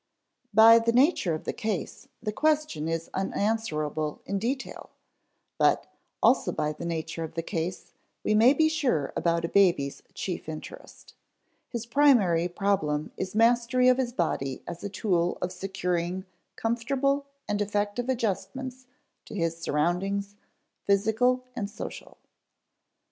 By the nature of the case, the question is unanswerable in detail; but, also by the nature of the case, we may be sure about a baby's chief interest. His primary problem is mastery of his body as a tool of securing comfortable and effective adjustments to his surroundings, physical and social.